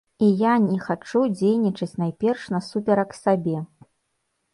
І я не хачу дзейнічаць найперш насуперак сабе.